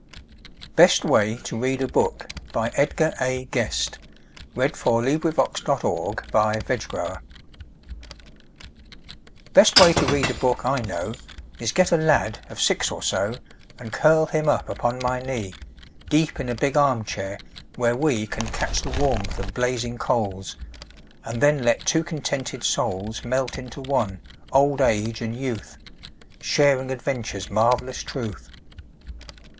hat of him who is a boy, a little boy on Christmas Day. Best Way to Read a Book Best way to read a book I know Is get a lad of six or so, And curl him up upon my knee Deep in a big arm chair, where we Can catch the warmth of blazing coals, And then let two contented souls Melt into one, old age and youth, Sharing adventure's marvelous truth.